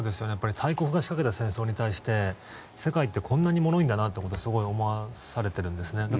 大国が仕掛けた戦争に対して世界ってこんなにもろいんだなということをすごく思わされているんですね。